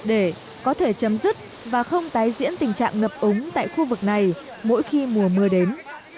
để có thể chấm dứt và không tái diễn tình trạng ngập úng tại khu vực này mỗi khi mùa mưa đến